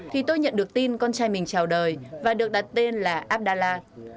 thì tôi nhận được tin con trai mình trào đời và được đặt tên là abdallah